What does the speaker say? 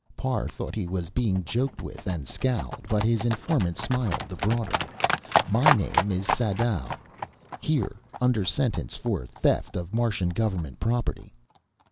Parr thought he was being joked with, and scowled. But his informant smiled the broader. "My name's Sadau here under sentence for theft of Martian government property."